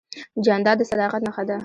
جانداد د صداقت نښه ده.